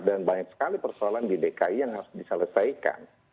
dan banyak sekali persoalan di dki yang harus diselesaikan